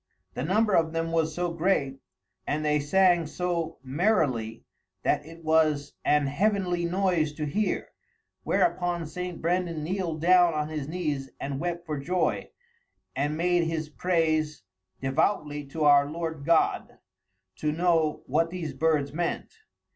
The number of them was so great, and they sang so merrilie, that it was an heavenlie noise to hear. Whereupon St. Brandan kneeled down on his knees and wept for joy, and made his praise devoutlie to our Lord God, to know what these birds meant.